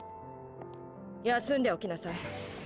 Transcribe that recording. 休んでおきなさい。